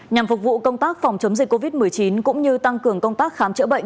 nhằm phục vụ công tác phòng chống dịch covid một mươi chín cũng như tăng cường công tác khám chữa bệnh